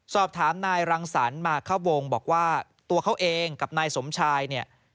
สอบถามนายรังสรรค์มาเข้าวงบอกว่าตัวเขาเองกับนายสมชายเนี่ย